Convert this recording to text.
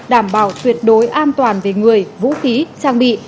đảm bảo tuyệt đối an toàn về người vũ khí trang bị